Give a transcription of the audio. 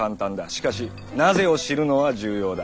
しかし「なぜ」を知るのは重要だ。